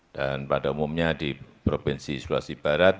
dan pada umumnya di provinsi sulawesi barat